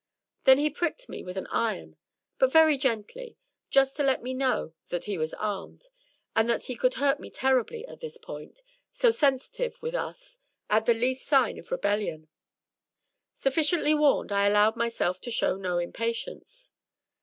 Then he pricked me with an iron — ^but very gently — just to let me know that he was armed, and that he could hurt me terribly at this point, so sensitive with us, at the least sign of rebellion. Sufficiently warned, I allowed myself to show no impatience.